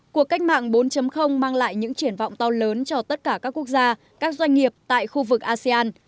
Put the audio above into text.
cuộc cách mạng bốn mang lại những triển vọng to lớn cho tất cả các quốc gia các doanh nghiệp tại khu vực asean